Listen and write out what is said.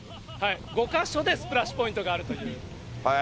５か所でスプラッシュポイントがあるという。